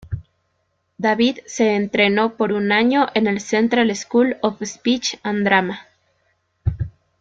David se entrenó por un año en el Central School of Speech and Drama.